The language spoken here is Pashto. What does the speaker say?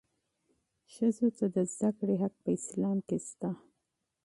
ښځو ته د زدهکړې حق په اسلام کې شته.